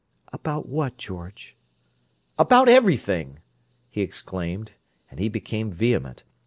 "About what, George?" "About everything!" he exclaimed; and he became vehement.